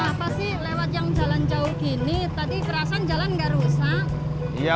apa sih lewat yang jalan jauh gini tadi kerasan jalan enggak rusak iya